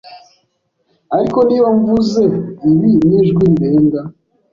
ariko niba mvuze ibi n'ijwi rirenga